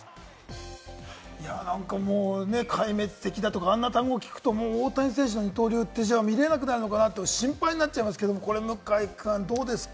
なんかもう壊滅的だとか、あんな単語を聞くと、大谷選手の二刀流って見られなくなるのかな？って心配になっちゃいますけれども、向井くん、どうですか？